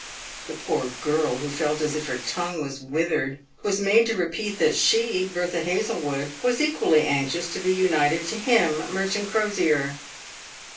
The poor girl, who felt as if her tongue was withered, was made to repeat that she, Bertha Hazlewood, was equally anxious to be united to him, Merton Crosier.